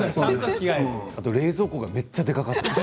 あと冷蔵庫がめっちゃでかかったです。